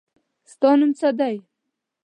ستا نوم څه دی؟